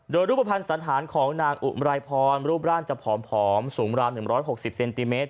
โดยรูปภัณฑ์สันธารของนางอุมารัยพรรูปร่างจะผอมสูงราว๑๖๐เซนติเมตร